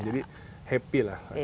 jadi happy lah